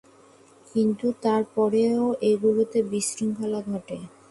কিন্তু তারপরেও এগুলিতে বিশৃঙ্খলা ঘটে।